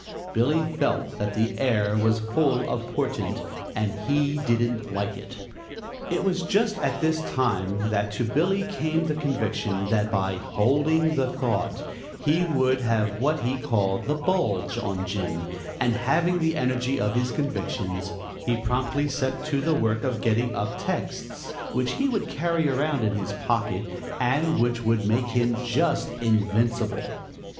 Billy felt that the air was full of portent, and he didn't like it. It was just at this time that to Billy came the conviction that by "holding the thought" he would have what he called "the bulge on Jim," and having the energy of his convictions, he promptly set to the work of getting up texts which he could carry around in his pocket and which would make him just invincible.